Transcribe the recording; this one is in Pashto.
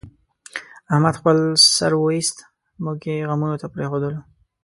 احمد خپل سر وایست، موږ یې غمونو ته پرېښودلو.